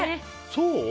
そう？